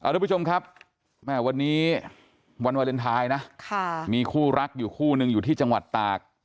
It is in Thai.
ทุกผู้ชมครับแม่วันนี้วันวาเลนไทยนะมีคู่รักอยู่คู่หนึ่งอยู่ที่จังหวัดตาก